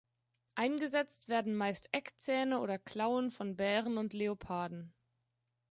Eingesetzt werden meist Eckzähne oder Klauen von Bären und Leoparden.